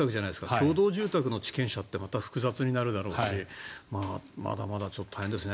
経堂住宅の地権者ってまた複雑になるだろうしまだまだ大変ですね。